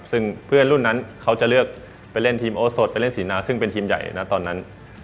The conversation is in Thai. ซึ่งเพื่อนรุ่นนั้นเขาจะเลือกไปเล่นทีมโอสดไปเล่นศรีนาซึ่งเป็นทีมใหญ่นะตอนนั้น